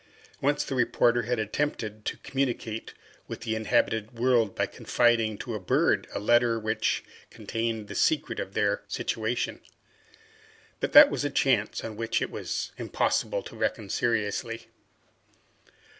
Once the reporter had attempted to communicate with the inhabited world by confiding to a bird a letter which contained the secret of their situation, but that was a chance on which it was impossible to reckon seriously.